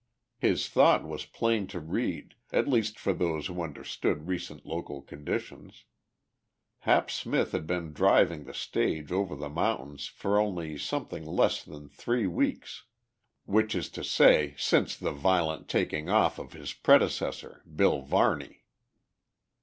His thought was plain to read, at least for those who understood recent local conditions. Hap Smith had been driving the stage over the mountains for only something less than three weeks; which is to say since the violent taking off of his predecessor, Bill Varney.